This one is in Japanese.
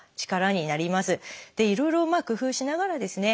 いろいろ工夫しながらですね